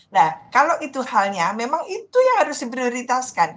nah kalau itu halnya memang itu yang harus diprioritaskan